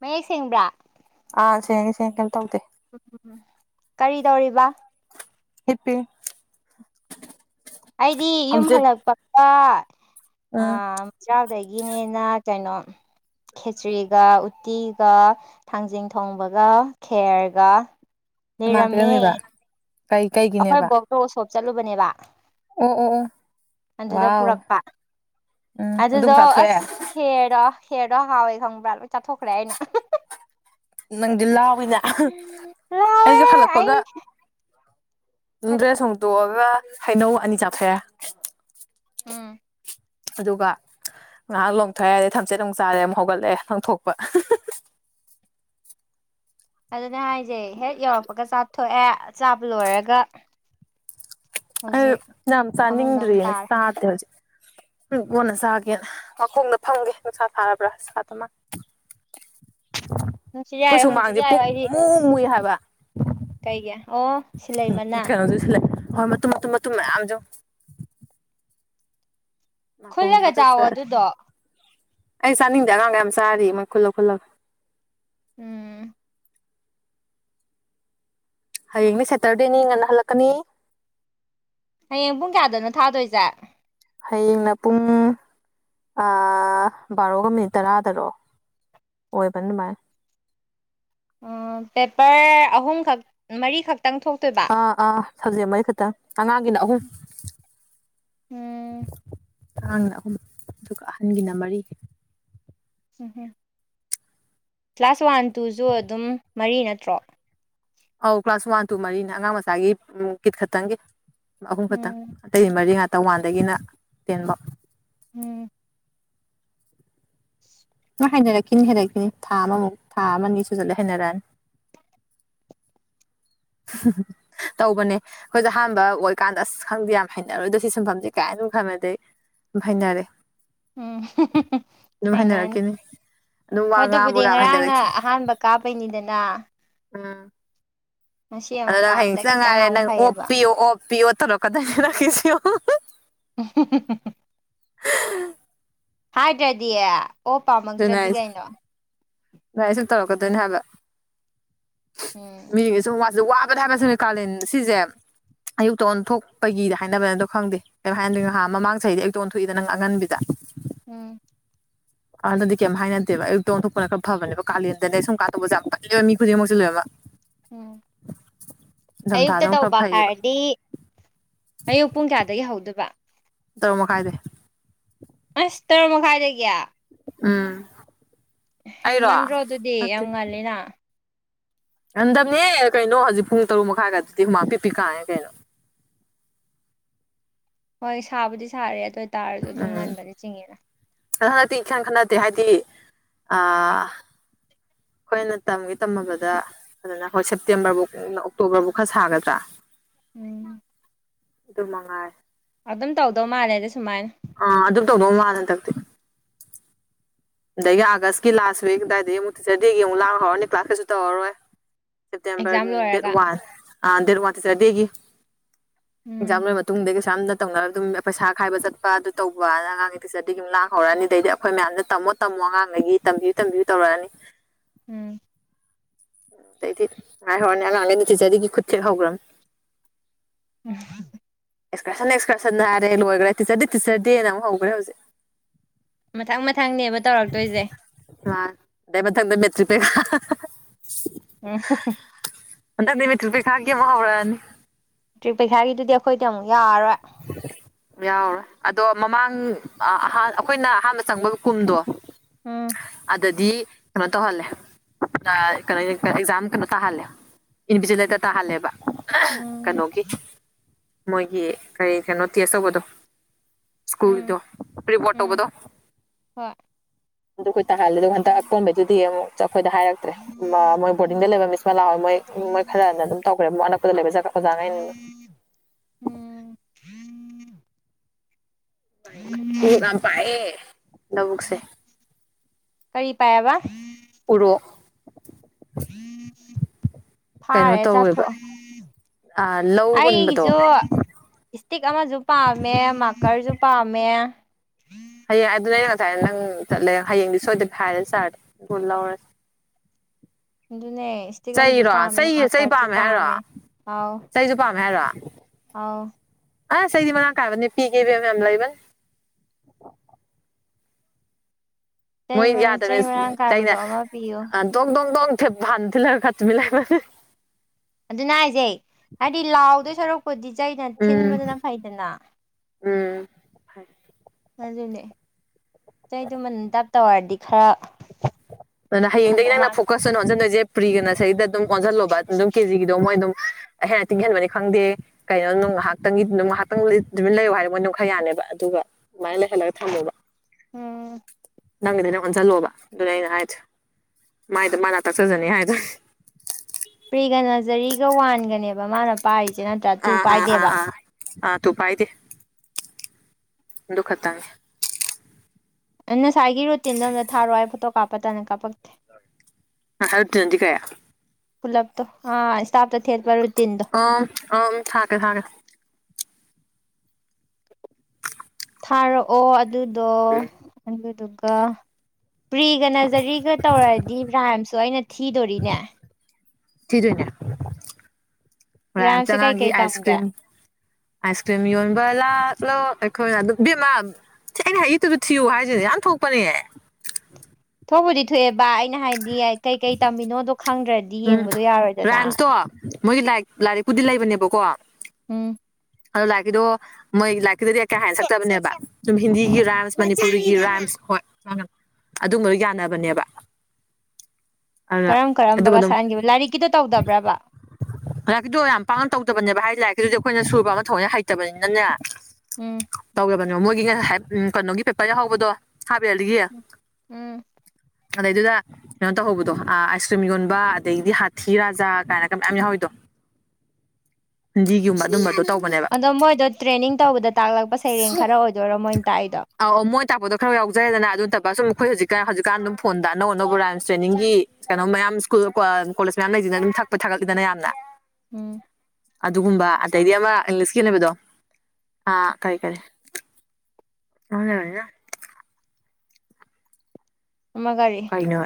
ꯃꯌꯦꯛ ꯁꯦꯡꯕ꯭ꯔꯥ ꯑꯥ ꯁ ꯁꯡ ꯈ ꯇꯧꯗꯦ ꯀꯔꯤ ꯇꯧꯔꯤꯕ ꯍꯄꯤ ꯑꯩꯗꯤ ꯌꯨꯝ ꯍꯜꯂꯛꯄꯀ ꯑ ꯎꯝ ꯃꯆꯥꯎꯗꯒꯤꯅꯦꯅ ꯀꯩꯅꯣ ꯈꯦꯇ꯭ꯔꯤꯒ ꯎꯠꯇꯤꯒ ꯊꯥꯡꯖꯤꯡ ꯊꯣꯡꯕꯒ ꯈꯦꯔꯒ ꯀꯅꯥ ꯂꯩꯔꯝꯃꯦ ꯄꯤꯔꯝꯃꯤꯕ ꯀꯩ ꯑꯩꯈꯣꯏ ꯀꯩꯒꯤꯅꯦꯕ ꯕꯣꯛꯇꯣ ꯎꯁꯣꯞ ꯆꯠꯂꯨꯕꯅꯦꯕ ꯑꯣ ꯑꯣ ꯑꯣ ꯑꯗꯨꯗ ꯋꯥꯎ ꯄꯨꯔꯛꯄ ꯎꯝ ꯑꯗꯨ ꯑꯗꯨꯗꯣ ꯑꯗꯨꯝ ꯑꯁ ꯆꯥꯊꯣꯛꯑꯦ ꯈꯦꯔꯗꯣ ꯈꯦꯔ ꯈꯔ ꯍꯥꯎꯋꯦ ꯈꯪꯕ꯭ꯔꯥ ꯂꯣꯏ ꯆꯥꯊꯣꯛꯈ꯭ꯔꯦ ꯑꯩꯅ ꯅꯪꯗꯤ ꯂꯥꯎꯋꯤꯅ ꯂꯥꯎꯋꯦ ꯑꯩꯖꯨ ꯑꯩ ꯍꯜꯂꯛꯄꯒ ꯗ꯭ꯔꯦꯁ ꯍꯨꯇꯣꯛꯑꯒ ꯍꯩꯅꯧ ꯑꯅꯤ ꯆꯠꯐꯩ ꯎꯝ ꯑꯗꯨꯒ ꯉꯥꯏꯍꯥꯛ ꯂꯣꯡꯊ ꯍꯥꯏꯔꯗꯤ ꯊꯝꯆꯦꯠ ꯑꯃꯨꯛ ꯆꯥꯔꯦ ꯑꯃꯨꯛ ꯍꯧꯒꯠꯂꯛꯑꯦ ꯂꯪꯊꯣꯛꯄ [unintelligible] ꯑꯗꯨꯅ ꯍꯥꯏꯁꯦ ꯍꯦꯛ ꯌꯧꯔꯛꯄꯒ ꯆꯥꯊꯣꯛꯑꯦ ꯆꯥꯕ ꯂꯣꯏꯔꯒ ꯑꯩ ꯍꯧꯖꯤꯛ ꯌꯥꯝ ꯐꯃꯨꯡꯗ ꯑꯃꯨꯛ ꯆꯥꯅꯤꯡꯗꯔꯤꯅ ꯇꯥꯔꯦ ꯆꯥꯗꯦ ꯍꯧꯖꯤꯛ ꯀꯣꯟꯅ ꯆꯥꯒꯦꯅ ꯃꯈꯣꯡꯗ ꯐꯪꯒꯦ ꯅꯨꯡꯁꯥ ꯁꯔꯕꯔ ꯁꯥꯗꯔꯤꯃꯅꯦ [unintelligible] ꯍꯪꯡꯆꯤꯠ ꯌꯥꯏꯔꯣ ꯍꯪꯆꯤꯠ ꯁꯨꯃꯥꯡꯁꯦ ꯄꯨꯡ ꯌꯥꯔꯣꯏ ꯑꯩꯗꯤ ꯃꯨ ꯃꯨꯏ ꯍꯥꯏꯕ ꯀꯩꯒꯤ ꯑꯣ ꯁꯤꯂꯩꯃꯅꯥ ꯀꯩꯅꯣꯁꯨ ꯁꯤꯜꯂꯦ ꯍꯣꯏ ꯃꯇꯨꯝ ꯃꯇꯨꯝ ꯃꯇꯨꯝ ꯃꯌꯥꯝꯖꯧ ꯈꯨꯜꯂꯒ ꯆꯥꯎꯋꯣ ꯍꯥꯀꯠꯆꯔꯦ ꯑꯗꯨꯗꯣ ꯑꯩ ꯆꯥꯅꯤꯡꯗꯦ ꯑꯉꯥꯡꯒ ꯌꯥꯝ ꯆꯥꯔꯤ ꯃꯣ ꯈꯨꯜꯂ ꯈꯨꯜꯂꯒ ꯎꯝ ꯍꯌꯦꯡꯅꯦ ꯁꯦꯇꯔꯗꯦꯅꯤ ꯉꯟꯅ ꯍꯜꯂꯛꯀꯅꯤ ꯍꯥꯌꯦꯡ ꯄꯨꯡ ꯀꯌꯥꯗꯅꯣ ꯊꯥꯗꯣꯏꯖꯦ ꯍꯌꯦꯡꯅ ꯄꯨꯡ ꯑꯥ ꯕꯥꯔꯣꯒ ꯃꯤꯅꯤꯠ ꯇꯔꯥꯗꯔꯣ ꯑꯣꯏꯕꯅꯤ ꯑꯗꯨꯃꯥꯥꯏ ꯎꯝ ꯄꯦꯄꯔ ꯑꯍꯨꯝꯈꯛ ꯃꯔꯤꯈꯛꯇꯪ ꯊꯣꯛꯇꯣꯏꯕ ꯑꯥ ꯑꯥ ꯁꯕꯖꯦꯛ ꯃꯔꯤ ꯈꯛꯇꯪ ꯑꯉꯥꯡꯒꯤꯅ ꯑꯍꯨꯝ ꯎꯝ ꯑꯉꯥꯡꯒꯤꯅ ꯑꯍꯨꯝ ꯑꯗꯨꯒ ꯑꯍꯟꯒꯤꯅ ꯃꯔꯤ ꯎꯝ ꯍꯨꯝ ꯀ꯭ꯂꯥꯁ ꯋꯥꯟ ꯇꯨꯖꯨ ꯑꯗꯨꯝ ꯃꯔꯤ ꯅꯠꯇ꯭ꯔꯣ ꯑꯧ ꯀ꯭ꯂꯥꯁ ꯋꯥꯟ ꯇꯨ ꯃꯔꯤꯅꯤ ꯑꯉꯥꯡ ꯃꯁꯆꯥꯒꯤ ꯀꯤꯠ ꯈꯛꯇꯪꯒꯤ ꯑꯍꯨꯝ ꯈꯛꯇꯪ ꯎꯝ ꯑꯇꯩ ꯃꯔꯤ ꯉꯥꯛꯇ ꯋꯥꯟꯗꯒꯤꯅ ꯇꯦꯟꯕꯧ ꯎꯝ ꯅꯪ ꯍꯩꯅꯔꯛꯈꯤꯅꯤ ꯍꯩꯅꯔꯛꯈꯤꯅꯤ ꯊꯥ ꯑꯃꯃꯨꯛ ꯊꯥ ꯑꯃ ꯑꯅꯤ ꯁꯨꯖꯜꯂꯛꯑꯒ ꯍꯩꯅꯔꯛꯑꯅꯤ [inaudible] ꯇꯧꯕꯅꯦ ꯑꯩꯈꯣꯏꯁꯨ ꯑꯍꯥꯟꯕ ꯑꯣꯏꯀꯥꯟꯗ ꯑꯁ ꯈꯪꯗꯦ ꯌꯥꯝ ꯍꯩꯅꯔꯣꯏꯗꯣ ꯁꯤ ꯁꯤꯟꯐꯝꯁꯦ ꯀꯥꯏꯅ ꯑꯗꯨꯝ ꯈꯅꯕꯅꯤ ꯑꯗꯨꯝ ꯍꯩꯅꯔꯦ ꯎꯝ ꯑꯗꯨꯝ ꯍꯩꯅꯅꯤ ꯍꯩꯅꯔꯛꯈꯤꯅꯤ ꯑꯗꯨꯝ ꯋꯥ ꯑꯗꯨꯕꯨꯗꯤ ꯉꯥꯡꯕꯒ ꯌꯥꯝ ꯉꯔꯥꯡꯅ ꯍꯩꯅꯔꯛꯈꯤ ꯑꯍꯥꯟꯕ ꯀꯥꯕꯩꯅꯤꯗꯅ ꯎꯝ ꯑꯗꯨ ꯅꯪ ꯍꯌꯦꯡ ꯀꯥꯕꯗ ꯍꯪꯆꯤꯠꯇ ꯈꯤꯇꯪ ꯉꯥꯏꯔꯦ ꯑꯃꯨꯛ ꯅꯪ ꯑꯣꯞ ꯐꯩꯌꯦꯕ ꯄꯤꯌꯣ ꯑꯣꯞ ꯄꯤꯌ ꯇꯧꯔꯛꯀꯗꫭꯥꯏꯅꯤ ꯅꯪꯒꯤꯁꯤ ꯌꯦꯡꯉꯨ [inaudible] [inaudible] ꯍꯥꯏꯗ꯭ꯔꯗꯤ ꯑꯣꯞ ꯄꯥꯝꯃꯛꯇ꯭ꯔꯗꯤ ꯀꯩꯅꯣ ꯑꯗꯨꯃꯥꯢꯅ ꯁꯨꯝ ꯇꯧꯔꯛꯀꯗꯣꯏꯅꯦ ꯍꯥꯏꯕ ꯎꯝ ꯃꯤꯒꯤ ꯁꯨꯝ ꯋꯥꯕꯅꯦ ꯍꯥꯏꯕ ꯁꯦꯡꯕꯩ ꯀꯥꯂꯦꯟ ꯁꯤꯁꯦ ꯑꯌꯨꯛꯇ ꯑꯣꯟꯊꯣꯛꯄꯒꯤꯗ ꯍꯥꯏꯅꯕꯅꯦꯗꯣ ꯈꯪꯗꯦ ꯀꯩꯝ ꯍꯥꯏꯅꯗꯦ ꯅꯍꯥꯟ ꯃꯃꯥꯡ ꯆꯍꯤꯗꯤ ꯑꯌꯨꯛꯇ ꯑꯣꯟꯊꯣꯛꯏꯗ ꯅꯪ ꯑꯉꯟꯕꯤꯗ ꯎꯝ ꯍꯟꯗꯗꯤ ꯀꯩꯝꯇ ꯍꯥꯏꯅꯗꯦꯕ ꯑꯌꯨꯛꯇ ꯑꯣꯟꯊꯣꯛꯄꯅ ꯈꯔ ꯐꯕꯅꯦꯕ ꯀꯥꯂꯦꯟꯗꯅꯦ ꯁꯨꯝ ꯀꯥꯟ ꯇꯧꯕꯁꯦ ꯌꯥꯝ ꯃꯤ ꯈꯨꯗꯤꯡꯃꯛꯁꯦ ꯂꯣꯏꯃꯛ ꯎꯝ ꯑꯌꯨꯛꯇ ꯅꯤꯡꯊꯝꯊꯥꯗ ꯑꯃꯨꯛ ꯈꯔ ꯇꯧꯕ ꯐꯩꯌꯦꯕ ꯍꯥꯏꯔꯗꯤ ꯑꯌꯨꯛ ꯄꯨꯡ ꯀꯌꯥꯗꯒꯤ ꯍꯧꯗꯣꯏꯕ ꯇꯔꯨꯛ ꯃꯈꯥꯏꯗꯩ ꯑꯁ ꯇꯔꯨꯛ ꯃꯈꯥꯏꯗꯒꯤ ꯎꯝ ꯑꯩꯔꯣ ꯍꯦꯟꯃꯟꯗ꯭ꯔꯣꯗꯨꯗꯤ ꯌꯥꯝ ꯉꯜꯂꯤꯅꯥ ꯉꯟꯗꯕꯅꯦꯍꯦ ꯀꯩꯅꯣ ꯍꯧꯖꯤꯛ ꯄꯨꯡ ꯇꯔꯨꯛ ꯃꯈꯥꯏꯒ ꯗꯨꯗꯤ ꯍꯨꯃꯥꯡ ꯄꯤꯄꯤ ꯀꯥꯡꯉꯦ ꯀꯩꯅꯣ ꯍꯣꯏ ꯁꯥꯕꯨꯗꯤ ꯁꯥꯔꯦ ꯑꯗꯨ ꯑꯣꯏꯇꯥꯔꯁꯨ ꯑꯗꯨꯝ ꯉꯟꯕꯗꯤ ꯆꯤꯡꯉꯤꯗꯅ ꯑꯗ ꯍꯟꯗꯛꯇꯤ ꯏꯈꯟ ꯈꯠꯅꯗꯦ ꯍꯥꯏꯗꯤ ꯑꯥ ꯑꯩꯈꯣꯏꯅ ꯇꯝꯒꯦ ꯇꯝꯃꯕꯗ ꯑꯗꯨꯅ ꯍꫭꯏ ꯁꯦꯞꯇꯦꯝꯕꯔꯕꯧ ꯑꯣꯛꯇꯣꯕꯔꯐꯧ ꯈꯔ ꯁꯥꯒꯗ꯭ꯔꯥ ꯎꯝ ꯑꯗꯨꯃꯉꯥꯏ ꯑꯗꯨꯝ ꯇꯧꯗꯧ ꯃꯥꯜꯂꯦꯗ ꯁꯨꯃꯥꯏꯅ ꯑꯥ ꯑꯗꯨꯝ ꯇꯧꯗꯧ ꯃꯥꯜꯂꯦ ꯍꯟꯗꯛꯇꯤ ꯑꯗꯒꯤ ꯑꯥꯒꯁꯀꯤ ꯂꯥꯁ ꯋꯤꯛ ꯑꯗꯨꯋꯥꯏꯗꯒꯤ ꯑꯃꯨꯛ ꯇꯤꯆꯔ ꯗꯦꯒꯤ ꯑꯃꯨꯛ ꯂꯥꯡ ꯍꯧꯔꯅꯤ ꯀ꯭ꯂꯥꯁ ꯀꯩꯁꯨ ꯇꯧꯔꯔꯣꯏ ꯁꯦꯞꯇꯦꯝꯕꯔ ꯑꯦꯛꯖꯥꯝ ꯗꯦꯠ ꯂꯣꯏꯔꯒ ꯋꯥꯟ ꯑ ꯗꯦꯠ ꯋꯥꯟ ꯇꯤꯆꯔ ꯗꯦꯒꯤ ꯎꯝ ꯖꯥꯝ ꯂꫭꯏꯔ ꯃꯇꯨꯨꯡꯗꯒꯤ ꯁꯨ ꯌꯥꯝꯅ ꯇꯧꯅꯔ ꯑꯗꯨꯝ ꯄꯩꯁꯥ ꯈꯥꯏꯕ ꯆꯠꯄ ꯑꯗꯨ ꯇꯧꯕꯥꯅ ꯑꯉꯥꯡꯒꯤ ꯇꯤꯆꯔ ꯗꯦꯒꯤ ꯑꯗꯨꯨꯝ ꯂꯥꯡ ꯍꯧꯔꯛꯑꯅꯤ ꯗꯩꯗꯤ ꯑꯩꯈꯣꯏ ꯃꯌꯥꯝꯅ ꯇꯝꯃꯣ ꯇꯝꯃꯣ ꯑꯉꯥꯡꯘꯩꯒꯤ ꯇꯝꯕꯤꯌꯨ ꯇꯝꯕꯤꯌꯨ ꯇꯧꯔꯛꯑꯅꯤ ꯎꯝ ꯗꯩꯗꯤ ꯉꯥꯏ ꯍꯧꯔꯅꯤ ꯑꯉꯥꯡꯉꯩꯅ ꯇꯤꯆꯔꯗꯦꯒꯤ ꯈꯨꯠ ꯊꯦꯛ ꯍꯧꯈ꯭ꯔꯝ ꯎ ꯑꯦꯛꯁꯀꯔꯁꯟ ꯑꯦꯛꯁꯀ꯭ꯔꯁꯟ ꯍꯥꯏꯔꯦ ꯂꯣꯏꯈ꯭ꯔꯦ ꯇꯤꯆꯔꯗꯤꯦ ꯇꯤꯆꯔꯗꯦꯅ ꯑꯃ ꯍꯧꯈ꯭ꯔꯦ ꯍꯧꯖꯤꯛ ꯃꯊꯪ ꯃꯊꯪꯅꯦꯕ ꯇꯧꯔꯛꯇꯣꯏꯁꯦ ꯆꯄꯦꯒ ꯑ ꯑꯅꯤꯃꯤꯔꯤꯄꯤ ꯍꯥꯏꯦ ꯃꯎꯅꯤ ꯇ꯭ꯔꯤꯛ ꯄꯩꯈꯥꯒꯤꯗꯨꯗꯤ ꯑꯩꯈꯣꯏꯗꯤ ꯑꯃꯨꯛ ꯌꯥꯔꯔꯣꯏ ꯌꯥꯎꯔꯦ ꯑꯗꯣ ꯃꯃꯥꯡ ꯑꯩꯈꯣꯏꯅ ꯑꯍꯥꯟꯕ ꯆꯪꯕ ꯀꯨꯝꯗꯣ ꯎꯝ ꯗꯗꯤ ꯀꯩꯅꯣ ꯇꯧꯍꯜꯂꯦ ꯀꯩꯅꯣ ꯑꯦꯛꯖꯥꯝ ꯀꯩꯅꯣ ꯇꯥꯍꯜꯂꯦ ꯌꯨꯅꯤꯚꯖꯗꯗ ꯇꯥꯍꯜꯂꯦꯕ ꯎꯝ ꯀꯩꯅꯣꯒꯤ ꯃꯣꯏꯒꯤ ꯀꯔꯤ ꯀꯩꯅꯣ ꯇꯦꯁ ꯇꯧꯕꯗꯣ ꯎꯝ ꯎꯝ ꯁ꯭ꯀꯨꯜꯗꯣꯔꯤꯄꯣꯔꯠꯕꯗꯣ ꯍꯣꯏ ꯗꯨ ꯍꯣꯏꯠꯇ ꯍꯥꯜꯂꯗ ꯈ ꯀꯀꯣꯕꯠꯇꯗꯤꯌꯦꯃꯣ ꯑꯩꯈꯣꯏꯗ ꯍꯥꯏꯔꯛꯇ꯭ꯔꯦ ꯃꯣꯏ ꯕꯣꯔꯗꯤꯡꯗ ꯂꯩꯕ ꯃꯤꯁ ꯃꯂꯥ ꯍꯣꯏ ꯈꯔꯅ ꯑꯗꯨꯝ ꯇꯧꯈ꯭ꯔꯦ ꯃꯛ ꯑꯅꯛꯄꯗ ꯂꯩꯕ ꯆꯠꯦ ꯇꯉꯅ ꯎꯝ ꯎꯔꯛ ꯌꯥꯝ ꯄꯥꯏꯑꯦ ꯂꯕꯨꯛꯁꯦ ꯀꯔꯤ ꯄꯥꯏꯕ ꯎꯔꯛ ꯎꯝ ꯐꯥꯔꯦ ꯆꯥꯊꯣꯛꯑ ꯑ ꯂꯧ ꯍꯨꯟꯕꯗꯣ ꯏꯁꯇꯤꯛ ꯑꯃꯁꯨ ꯄꯥꯝꯃꯦ ꯃꯥꯀꯔꯁꯨ ꯄꯥꯝꯃꯦ ꯍꯌꯦꯡ ꯑꯗꯨꯅ ꯑꯩꯅ ꯉꯁꯥꯏ ꯅꯪ ꯆꯠꯂꯦ ꯍꯌꯦꯡꯗꯤ ꯁꯣꯏꯗꯅ ꯍꯥꯏꯔ ꯆꯥꯔꯦ ꯑꯗꯨ ꯂꯧꯔꯁꯤꯦ ꯑꯗꯨꯅꯦ ꯏꯁꯇꯤꯒꯝꯁꯨ ꯄꯥꯝꯃꯦ ꯆꯩ ꯆꯩ ꯃꯥꯀꯥꯔꯠꯁꯨ ꯍꯥꯏꯔꯣ ꯄꯥꯝꯃꯦ ꯑꯥꯎ ꯆꯩꯁꯨ ꯑꯥꯎ ꯑ ꯁꯗꯤ ꯃꯅꯥ ꯀꯥꯕꯅꯤ ꯄꯤ ꯀꯦ ꯂꯩꯕ ꯆꯩ ꯃꯣꯏ ꯆꯩ ꯃꯔꯥꯡ ꯌꯥꯗꯕꯅꯤꯅ ꯀꯥꯏꯕꯗꯣ ꯑꯃ ꯄꯤꯌꯨ ꯗꯣꯡ ꯗꯣꯡ ꯗ ꯥꯟꯅꯤꯤ ꯀꯆꯃꯤ ꯂꯅꯤ ꯑꯗꯨꯅ ꯍꯥꯏꯁꯦ ꯍꯥꯏꯗꯤ ꯂꯥꯎꯗꯣꯏ ꯁꯔꯨꯛ ꯄꯣꯗꯤ ꯆꯩꯩꯅ ꯎꯝ ꯊꯤꯟꯕꯗꯅ ꯐꯩꯗꯅ ꯐꯣꯏ ꯑꯗꯨꯅꯦ ꯆꯩꯗꯨ ꯃꯟ ꯇꯞ ꯇ ꯑꯣꯏꯔꯗꯤ ꯈꯔ ꯑꯗꯨꯅ ꯍꯌꯦꯡꯗꯒꯤ ꯐꯗꯧ ꯅꯪꯅ ꯃꯥꯜꯂꯦ ꯐꯣꯀꯁ ꯑꯣꯏꯅ ꯑꯣꯟꯁꯤꯟꯗꯣꯏꯁꯦ ꯄ꯭ꯔꯤꯒꯅꯁꯗ ꯑꯗꯨꯝ ꯑꯣꯟꯁꯤꯜꯂꯣꯕ ꯑꯗꯨꯝꯦꯖꯤꯒꯤꯗꯣ ꯃꯣꯏ ꯑꯗꯨꯝ ꯑꯩ ꯍꯦꯟꯅ ꯇꯤꯡꯍꯟꯕꯅꯤ ꯈꯪꯗꯦ ꯀꯩꯅꯣ ꯅꯝ ꯉꯥꯏꯍꯥꯛꯇꯪꯒꯤ ꯑꯗꯨꯝ ꯉꯥꯏꯍꯥꯛꯇꯪ ꯑꯗꯨ ꯂꯩꯌꯨ ꯍꯥꯏꯔ ꯃꯣꯏ ꯑꯗꯨꯅꯨꯡ ꯈꯔ ꯌꯥꯅꯤꯕ ꯑꯗꯨꯒ ꯑꯗꯨꯃꯥꯏꯅ ꯂꯩꯍꯜꯂꯒ ꯊꯝꯃꯣꯕ ꯎꯝ ꯅꯪꯒꯤꯗ ꯅꯪ ꯑꯣꯟꯁꯤꯜꯂꯣꯕ ꯑꯗꯨꯅ ꯑꯩꯅ ꯍꯥꯏꯗꯦ ꯃꯥꯏꯗ ꯃꯥꯅ ꯇꯥꯛꯆꯖꯅꯤ ꯍꯥꯏꯗꯔꯦ ꯄ꯭ꯔꯤꯒ ꯅꯖꯔꯤꯒ ꯋꯥꯟꯒꯅꯦꯕ ꯃꯥꯅ ꯄꯥꯏꯔꯤꯁꯦ ꯅꯠꯇ꯭ꯔꯥ ꯇꯨ ꯑꯥ ꯑꯥ ꯑꯥ ꯄꯥꯏꯗꯦꯕ ꯑꯥ ꯑ ꯇꯨꯄ ꯍꯥꯏꯗꯦ ꯗꯨ ꯈꯇꯥꯦ ꯉꯁꯥꯏꯒꯤ ꯔꯨꯇꯤꯟꯗꯣ ꯑꯝꯗ ꯊꯥꯔꯣ ꯍꯥꯏ ꯐꯣꯇꯣ ꯀꯥꯞꯄꯇꯅ ꯀꯥꯞꯄꯛꯇꯦ ꯍ ꯇ ꯅꯗꯤ ꯀꯌꯥ ꯐꯂꯞꯇꯣ ꯏꯁꯞꯇ ꯊꯄꯔ ꯑ ꯑ ꯊꯒꯦ ꯊꯥꯔꯦ ꯊꯥꯔꯛꯑꯣ ꯑꯗꯨꯗꯣ ꯑꯗꯨꯗꯨꯒ ꯄ꯭ꯔꯤꯒ ꯅꯖꯔꯤꯒ ꯇꯧꯔꯗꯤ ꯔꯥꯏꯝꯁꯨ ꯑꯩꯅ ꯊꯤꯗꯣꯔꯤꯅꯦ ꯊꯤꯔꯅ ꯍꯔꯥꯏ ꯑꯃ ꯔꯥꯏꯝꯁꯦ ꯆꯪꯉꯒꯤ ꯀꯩꯀꯩ ꯑꯥꯏꯁ ꯇꯝꯒꯦ ꯀ꯭ꯔꯤꯝ ꯑꯥꯏꯁ ꯀ꯭ꯔꯤꯝ ꯌꯣꯟꯕ ꯂꯥꯛꯂ ꯑꯩꯈꯣꯏꯅ ꯑꯗꯨꯝ ꯕꯦꯝꯃꯥ ꯑꯩꯅ ꯍꯌꯦꯠꯇꯨꯗ ꯊꯤꯌꯨ ꯍꯥꯏꯁꯤꯗꯤ ꯌꯥꯝ ꯊꯣꯛꯄꯅꯦ ꯊꯣꯛꯕꯨꯗꯤ ꯊꯣꯛꯑꯦꯕ ꯑꯩꯅ ꯍꯥꯏꯗꯤ ꯀꯩꯀꯩ ꯇꯝꯃꯤꯅꯣ ꯈꯪꯗ꯭ꯔꯗꯤ ꯎꯝ ꯌꯦꯡꯕꯗꯣ ꯌꯥꯔꯣꯏꯗꯅ ꯔꯥꯏꯝꯁꯇꯣ ꯃꯣꯏꯒꯤ ꯂꯥꯏꯔꯤꯛ ꯂꯥꯏꯔꯤꯛꯄꯨꯗꯤ ꯂꯩꯕꯅꯦꯕꯀꯣ ꯎꯝ ꯑꯗꯣ ꯂꯥꯏꯔꯤꯛꯀꯤꯗꯣ ꯃꯣꯏ ꯂꯥꯏꯔꯤꯀꯤꯗꯗꯤ ꯀꯌꯥ ꯍꯥꯏꯦꯅ ꯁꯛꯇꯕꯅꯦꯕ ꯁꯨꯝ ꯍꯤꯟꯗꯤꯒꯤ ꯎꯝ ꯔꯝꯁ ꯔꯤꯒꯤ ꯔꯥꯏꯝꯁ ꯍꯣꯏ ꯑꯗꯨꯒꯝꯕꯗꯣ ꯌꯥꯅꯕꯅꯦꯕ ꯀꯔꯝ ꯀꯔꯝ ꯑꯗꯨꯒ ꯑꯗꯨꯝ ꯉꯗꯀꯤꯗꯣ ꯌꯥꯝ ꯄꯥꯡꯅ ꯇꯧꯗꯕꯅꯦꯕ ꯍꯥꯏ ꯂꯥꯏꯔꯤꯛꯗꯨꯗꯤ ꯑꯩꯈꯣꯏꯅ ꯁꯨꯕ ꯑꯃ ꯊꯊꯧꯅꯤ ꯍꯩꯇꯕꯅꯤꯅꯅꯦ ꯎꯝ ꯇꯧꯗꯕꯅꯦꯕ ꯃꯣꯏꯒꯤ ꯀꯩꯅꯣꯒꯤ ꯄꯦꯄꯔ ꯌꯥꯎꯍꯧꯕꯗꯣ ꯁꯥꯕꯤꯔꯂꯤꯒ ꯎꯝ ꯑꯗꯩ ꯑꯗꯨꯗꯨꯗ ꯀꯩꯅꯣ ꯇ ꯍꯧꯕꯕꯣꯁ ꯁꯨꯝ ꯌꯣꯟꯕ ꯑꯗꯒꯤꯗꯤ ꯍꯥꯊꯤ ꯔꯥꯖꯥ ꯀꯥꯏꯅꯒ ꯃꯌꯥꯝ ꯌꯥꯎꯋꯤꯗꯣ ꯗꯤꯒꯤ ꯃ ꯑꯗꯨꯝ ꯃꯗꯨ ꯑꯗꯣ ꯃꯣꯏꯗꯣ ꯇ꯭ꯔꯦꯅꯤꯡ ꯇꯧꯕꯗ ꯇꯥꯛꯂꯛꯄ ꯁꯩꯔꯦꯡ ꯈꯔ ꯑꯣꯏꯗꯣꯏꯔꯣ ꯃꯣꯏꯅ ꯇꯥꯛꯏꯗꯣ ꯌꯥꯎꯖꯩꯦꯗꯅ ꯑꯗꯨ ꯅꯠꯇꯕ ꯁꯨꯝ ꯑꯩꯈꯣꯏ ꯍꯧꯖꯤꯛꯀꯥꯟ ꯍꯧꯖꯤꯛꯀꯥꯟ ꯑꯗꯨꯝ ꯐꯣꯟꯗ ꯑꯅꯧ ꯑꯅꯧꯕ ꯔꯥꯏꯝꯁ ꯇ꯭ꯔꯦꯅꯤꯡꯒꯤ ꯀꯩꯅꯣ ꯃꯌꯥꯝ ꯁ꯭ꯀꯨꯜ ꯀꯣꯂꯦꯖ ꯃꯌꯥꯝ ꯂꯩꯁꯤꯅ ꯑꯗꯨꯝ ꯊꯛꯄ ꯊꯥꯒꯠꯂꯤꯗꯅ ꯌꯥꯝꯅ ꯎꯝ ꯑꯗꯨꯒꯨꯝꯕ ꯑꯗꯩꯗꯤ ꯑꯃ ꯏꯪꯂꯤꯁꯀꯤꯅꯦꯕꯗꯣ ꯑ ꯀꯔꯤ ꯀꯔꯤ ꯍꯅꯦꯦ ꯋꯥ ꯑꯃ ꯀꯔꯤ ꯀꯩꯅꯣ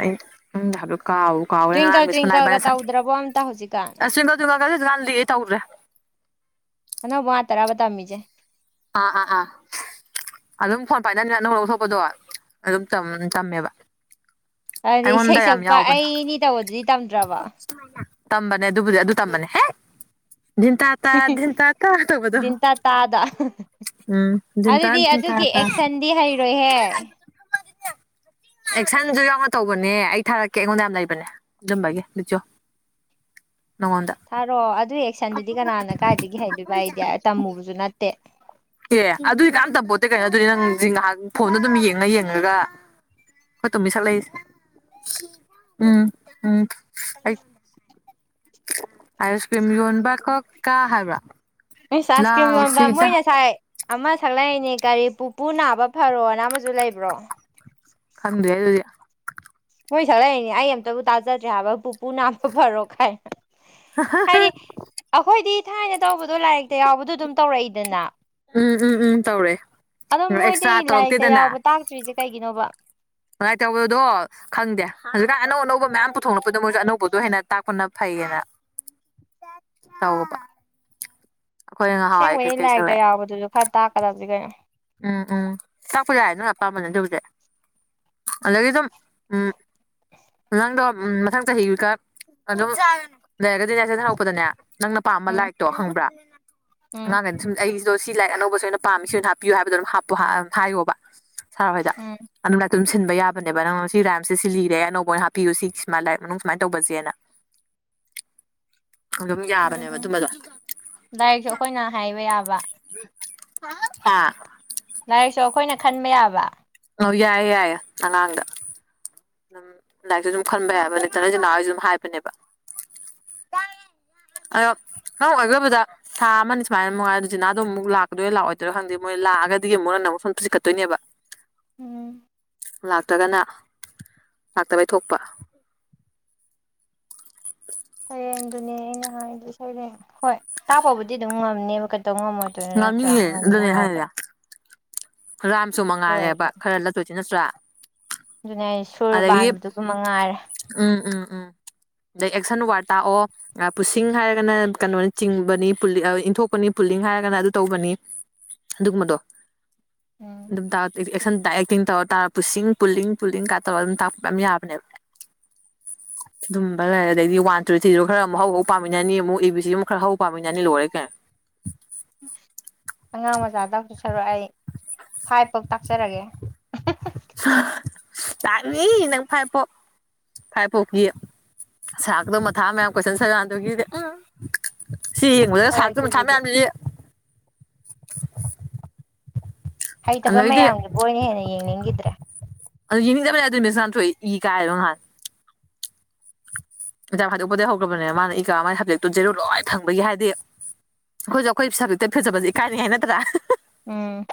ꯎꯝꯂ ꯀꯥꯎ ꯀꯥꯎꯋꯦ ꯉꯔꯥꯡ ꯇ꯭ꯋꯤꯡꯀꯜ ꯃꯤ ꯁꯨꯝꯂꯥꯏꯕꯥꯏꯔ ꯇ꯭ꯋꯤꯡꯀꯜꯒ ꯇꯧꯗ꯭ꯔꯕꯣ ꯑꯝꯇ ꯍꯧꯖꯤꯛꯀꯥꯟ ꯑꯁꯋꯀ ꯀꯥꯟꯗꯤ ꯇꯧꯗ꯭ꯔꯦ ꯍꯅꯣꯕꯨ ꯇꯔꯥꯕꯇꯥ ꯃꯤꯆꯦ ꯑꯥ ꯑꯥ ꯑ ꯑꯗꯨꯝ ꯐꯣꯟ ꯄꯥꯏꯗꯅꯤꯅ ꯅꯪ ꯂꯧꯊꯣꯛꯄꯗꯣ ꯑꯗꯨꯝ ꯆꯝꯃꯦꯕ ꯑꯗꯨꯗꯤ ꯏꯁꯩ ꯁꯛꯄ ꯑꯩꯅꯤ ꯇꯧꯕꯗꯗꯤ ꯇꯝꯕꯅꯦ ꯑꯗꯨꯕꯨ ꯑꯗꯨ ꯇꯝꯕꯅꯦ ꯍꯦ ꯇ ꯇꯥꯗ ꯎꯝ ꯙꯤꯟꯇꯥ ꯑꯗꯨꯗꯤ ꯙꯤꯟꯇꯥ ꯑꯗꯨꯒꯤ ꯇꯥ ꯑꯦꯛꯁꯟꯗꯤ ꯍꯩꯔꯣꯏꯍꯦ ꯑꯦꯛꯁꯟꯁꯨ ꯌꯥꯎꯅ ꯇꯧꯕꯅꯦ ꯑꯩ ꯊꯥꯔꯛꯀꯦ ꯑꯩꯉꯣꯟꯗ ꯌꯥꯝ ꯂꯩꯕꯅꯦ ꯑꯗꯨꯝꯕꯒꯤ ꯕꯤꯆꯣ [inaudible] ꯊꯥꯔꯛꯑꯣ ꯑꯗꯨ ꯑꯦꯛꯁꯟꯗꯨꯗꯤ ꯀꯅꯥꯅ ꯀꯥꯏꯗꯒꯤ ꯍꯩꯗꯣꯏꯕ ꯑꯩꯗꯤ ꯇꯝꯃꯨꯕꯁꯨ ꯅꯠꯇꯦ ꯑꯦ ꯑꯗꯨꯏ ꯀꯝꯇ ꯄꯣꯠꯇꯦ ꯀꯩꯅꯣ ꯑꯗꯨꯗꯤ ꯅꯪ ꯉꯥꯏꯍꯥꯛ ꯐꯣꯟꯗ ꯑꯗꯨꯝ ꯌꯦꯡꯅ ꯌꯦꯡꯉꯒ ꯍꯣꯏ ꯇꯣꯃꯤꯁꯠ ꯂꯩꯁꯦ ꯎꯝ ꯎꯝ ꯑꯩ ꯑꯌꯨꯁ ꯀ꯭ꯔꯤꯝ ꯌꯣꯟꯕ ꯀ ꯀꯥ ꯍꯥꯏꯕ꯭ꯔꯥ ꯁ ꯀ꯭ꯔꯤꯝ ꯂꯥꯎ ꯌꯣꯟꯕ ꯁꯤꯗ ꯃꯣꯏꯅ ꯁꯥꯏ ꯑꯃ ꯁꯛꯂꯛꯏꯅꯦ ꯅꯦ ꯀꯔꯤ ꯄꯨꯄꯨ ꯅꯥꯕ ꯐꯔꯣꯅ ꯑꯃꯁꯨ ꯂꯩꯕ꯭ꯔꯣ ꯈꯗꯦ ꯃꯣꯏ ꯁꯛꯂꯛꯏꯅꯦ ꯑꯩ ꯑꯝꯇꯕꯨ ꯇꯥꯖꯗ꯭ꯔꯦ ꯍꯥꯏꯕ ꯄꯨꯄꯨ ꯅꯥꯕ ꯐꯔꯣ ꯈꯥꯏ ꯍꯥꯏꯗꯤ ꯑꯩꯈꯣꯏꯗꯤ ꯊꯥꯏꯅ ꯇꯧꯕꯗꯣ ꯂꯥꯏꯔꯤꯛꯇ ꯌꯥꯎꯕꯗꯣ ꯑꯗꯨꯝ ꯇꯧꯔꯛꯏꯗꯅ ꯎꯝ ꯎꯝ ꯎꯝ ꯇꯧꯔꯦ ꯑꯣ ꯃꯣꯏꯗꯤ ꯑꯦꯛꯁꯇ꯭ꯔꯥ ꯂꯥꯏꯔꯤꯛꯇ ꯌꯥꯎꯕ ꯇꯥꯛꯇ꯭ꯔꯤꯁꯦ ꯀꯩꯒꯤꯅꯣꯕ ꯀꯃꯥꯏ ꯇꯧꯕꯗꯣ ꯈꯪꯗꯦ ꯑꯗꯨꯀ ꯑꯅꯧ ꯑꯅꯧꯕ ꯃꯌꯥꯝ ꯄꯨꯊꯣꯛꯂꯛꯄꯗ ꯃꯣꯏꯁꯨ ꯑꯅꯧꯕꯗꯣ ꯍꯦꯟꯅ ꯇꯥꯛꯄꯅ ꯐꯩ ꯍꯒꯦꯅ [unintelligible] ꯍꯥꯎꯕ ꯑꯦꯡꯕꯒꯤ ꯂꯥꯏꯔꯤꯛꯇ ꯌꯥꯎꯕꯗꯨꯁꯨ ꯈꯔ ꯇꯥꯛꯀꯗꯕꯁ ꯀꯩꯅꯣ ꯎꯝ ꯎꯝ ꯆꯥꯛꯄ ꯌꯥ ꯍꯥꯏ ꯅꯪ ꯑꯄꯥꯝꯕꯅꯦ ꯇꯧꯕꯁꯦ ꯑꯒ ꯑꯗꯨ ꯎꯝ ꯉꯪꯗꯣ ꯃꯊꯪ ꯆ ꯍꯦꯀ ꯑꯗꯨ ꯂꯩꯔꯒꯗꯤ ꯅꯁꯦ ꯊꯔꯛꯄꯗꯅꯦ ꯅꯪꯅ ꯄꯥꯝꯕ ꯎꯝ ꯂꯥꯏꯔꯤꯛꯇꯣ ꯈꯪꯕ꯭ꯔꯥ ꯎꯝ ꯑꯉꯥꯡꯈꯩꯅ ꯁꯨꯝ ꯑꯩꯒꯤꯁꯤꯗꯣ ꯁꯤ ꯂꯥꯏꯔꯤꯛ ꯑꯅꯧꯕꯁꯨ ꯑꯣꯏꯅ ꯄꯥꯝꯃꯤ ꯁꯤ ꯑꯣꯏꯅ ꯍꯥꯞꯄꯤꯌ ꯍꯥꯏꯕꯗ ꯑꯗꯨꯝꯄ ꯍꯥꯏꯌꯣꯕ ꯁꯥꯔ ꯍꯣꯏꯗ ꯎꯝ ꯑꯗꯨꯥꯏꯝ ꯊꯤꯟꯟꯕ ꯌꯥꯕꯅꯦꯕ ꯅꯪꯅ ꯁꯤ ꯔꯥꯏꯝꯁꯦ ꯁꯤ ꯂꯤꯔꯦ ꯑꯅꯧꯕ ꯑꯣꯏꯅ ꯍꯥꯞꯄꯤꯌꯨ ꯁꯤ ꯁꯨꯃꯥꯏꯅ ꯂꯥꯏꯔꯤꯛ ꯃꯅꯨꯡ ꯁꯨꯃꯥꯏꯅ ꯇꯧꯕꯁꯦꯅ [inaudible] ꯑꯗꯨꯝ ꯌꯥꯕꯅꯦꯕ ꯎꯝ ꯑꯗꯨꯝꯕꯗꯣ ꯗꯥꯏꯔꯤꯦꯛꯁꯨ ꯑꯩꯈꯣꯏꯅ ꯍꯥꯏꯕ ꯌꯥꯕ ꯑ ꯂꯥꯏꯔꯤꯛꯁꯨ ꯑꯩꯈꯣꯏꯅ ꯈꯟꯕ ꯌꯥꯕ ꯑ ꯌꯥꯏꯌꯦꯦ ꯌꯥꯏꯌꯦꯦ ꯑꯉꯥꯡꯗ ꯑꯗꯨꯝ ꯂꯥꯏꯔꯤꯛꯁꯨ ꯁꯨꯝ ꯈꯟꯕ ꯌꯥꯕ ꯅꯠꯇꯅꯁꯤ ꯅꯍꯥꯋꯥꯣꯏ ꯁꯨꯝ ꯍꯥꯏꯕꯅꯦꯕ [inaudible] ꯑꯣ ꯅꯪ ꯑꯣꯏꯈꯣꯏꯕꯗ ꯊꯥ ꯑꯃꯅꯤꯅꯤ ꯁꯨꯃꯥꯏꯅ ꯃꯉꯥꯏ ꯑꯗꯨ ꯖꯤꯅꯥꯗꯣꯨꯛ ꯂꯥꯛꯀꯣꯏ ꯂꯥꯛꯑꯣꯏꯣꯏꯔ ꯈꯪꯗꯦ ꯃꯣꯏ ꯂꯑꯒꯗꯤ ꯑꯃꯨꯛ ꯃꯐꯝꯣꯏꯅꯦꯕ ꯎꯝ ꯂꯥꯛꯇꯒꯅ ꯂꯥꯛꯇꯕꯩ ꯊꯣꯛꯄ ꯁꯩꯔꯦꯡꯗꯨꯅꯦ ꯑꯩꯅ ꯍꯥꯏꯗ ꯁꯩꯔꯦꯡ ꯍꯣꯏ ꯇꯥꯛꯄꯕꯨꯗꯤ ꯑꯗꯨꯝ ꯉꯝꯅꯦꯕ ꯇꯧ ꯉꯝꯃꯣꯏꯗꯣꯏꯅꯣ ꯅꯠꯇ꯭ꯔꯥ ꯉꯝꯅꯤꯌꯦ ꯑꯗꯨꯅꯦ ꯉꯝꯅꯕ ꯑꯗꯣ ꯍꯥꯏꯔꯤꯁꯦ ꯔꯥꯝꯁꯨ ꯑꯗꯨ ꯃꯉꯥꯜꯂꯦꯕ ꯑꯣꯏꯔꯁꯨ ꯈꯔ ꯂꯠꯇꯣꯏꯁꯤꯤ ꯅꯠꯇ꯭ꯔꯥ ꯑꯗꯨꯅꯦ ꯑꯩ ꯁꯨꯔ ꯑꯗꯒꯤ ꯄꯥꯟꯕꯗꯨ ꯑꯗꯨꯝ ꯃꯉꯥꯏꯔꯦ [inaudible] ꯑꯗ ꯑꯦꯛꯁꯟ ꯋꯥꯔ ꯇꯥꯛꯑꯣ ꯄꯨꯁꯤꯡ ꯍꯥꯏꯔꯒꯅ ꯀꯩꯅꯣꯅ ꯆꯤꯡꯕꯅꯤ ꯏꯟꯊꯣꯛꯄꯅꯤ ꯄꯨꯂꯤꯡ ꯍꯥꯏ ꯍꯥꯏꯔꯒꯅ ꯑꯗꯨ ꯇꯧꯕꯅꯤ ꯑꯗꯨꯒꯨꯝꯕꯗꯣ ꯎꯝ ꯑꯗꯨꯝ ꯑꯦꯛꯇꯤꯡ ꯇꯧꯔ ꯇꯥꯔ ꯄꯨ ꯄꯨꯡ ꯄꯨꯡ ꯀꯥꯏ ꯑꯗꯨꯝ ꯇꯥꯛ ꯌꯥꯕꯅꯦꯕ [inaudible] ꯑꯗꯨꯝꯕ ꯂꯩꯔ ꯑꯗꯗꯒꯤꯗꯤ ꯋꯥꯟ ꯇ꯭ꯨꯔꯤ ꯊ꯭ꯔꯤꯗꯣ ꯈꯔ ꯑꯃꯨꯛ ꯍꯧꯕ ꯄꯥꯃꯤꯅꯤ ꯑꯃꯨꯛ ꯑꯦ ꯕꯤ ꯁꯤ ꯑꯃꯨꯛ ꯈꯔ ꯍꯧꯕ ꯄꯥꯃꯤꯟꯅꯅꯤ ꯂꯣꯏꯔꯦ ꯀꯦ ꯑꯉꯥꯡ ꯃꯆꯥꯗꯁꯨ ꯁꯔꯛ ꯑꯩ ꯐꯥꯏꯐꯥꯎ ꯇꯥꯛꯆꯔꯒꯦ ꯇꯅꯤ ꯅꯪ ꯐꯥꯏꯄꯣ ꯈꯥꯏ ꯄꯣꯛꯀꯤ ꯁꯥꯥꯛꯗꯣ ꯃꯊꯥ ꯃꯌꯥꯝ ꯀꯣꯏꯁꯟ ꯁꯀꯥꯟꯗꯨꯒꯤꯗꯤ ꯁꯤ ꯍꯣꯏ ꯁꯥ ꯑꯗꯨꯕꯨꯗꯤ ꯊꯃꯦ ꯍꯩꯇꯕ ꯑꯗ ꯏꯗꯤ ꯃꯌꯥꯝꯒꯤꯕꯨ ꯑꯣꯏꯅ ꯍꯦꯟꯅ ꯌꯦꯡꯅꯤꯡꯈꯤꯗ꯭ꯔꯦ ꯏꯗ ꯏ ꯀꯥꯏꯔꯣ ꯍꯥꯏ ꯏꯟꯖꯝ ꯍꯥꯏꯗꯣꯛꯄꯗꯒꯤꯩ ꯍꯧꯈ꯭ꯔꯕꯅꯦꯅ ꯃꯥꯅ ꯏꯀꯥ ꯃꯥꯒꯤ ꯁꯕꯖꯦꯛꯇꯨ ꯖꯦꯔꯨ ꯂꯣꯏ ꯊꯪꯕꯒꯤ ꯍꯥꯏꯗꯤ ꯑꯩꯈꯣꯏꯁꯨ ꯑꯩꯈꯣꯏ ꯄꯥꯕꯤꯇ ꯐꯦꯖꯕꯁꯦ ꯏꯀꯥꯏꯅꯤꯉꯥꯏ ꯅꯠꯇ꯭ꯔꯥ ꯎꯝ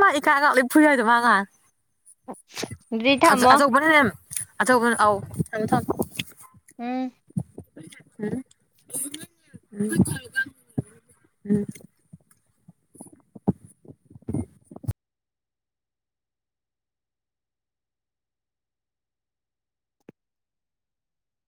ꯃꯥ ꯏꯀꯥꯏꯒꯥꯛ ꯂ ꯐꯨꯏ ꯌꯥꯏꯗꯣ ꯃꯥ ꯉꯥ ꯑꯗꯨꯗꯤ ꯊꯝꯃꯣ ꯑꯆꯧꯕꯅꯅꯦꯦꯝ ꯑꯆꯧ ꯑꯧ ꯊꯝꯃꯦ ꯊꯝꯃꯦ ꯎꯝ ꯎꯝ ꯎ ꯎꯝ